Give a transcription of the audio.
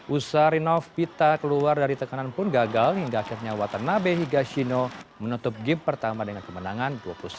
usaha rinov pita keluar dari tekanan pun gagal hingga akhirnya watanabe hingga shino menutup game pertama dengan kemenangan dua puluh satu